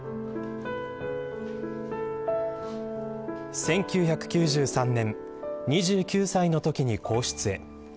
１９９３年２９歳の時に皇室へ。